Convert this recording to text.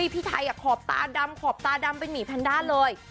พี่ไทยขอบตาดำเป็นหมี่แพนด้าเลย